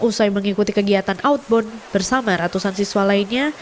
usai mengikuti kegiatan outbound bersama ratusan siswa lainnya